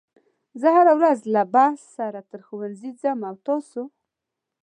زه هره ورځ له بس سره تر ښوونځي ځم او تاسو